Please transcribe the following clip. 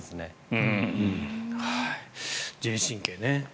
自律神経ね。